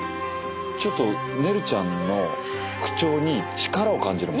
ちょっとねるちゃんの口調に力を感じるもん。